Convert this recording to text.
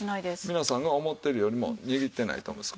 皆さんが思ってるよりも握ってないと思います。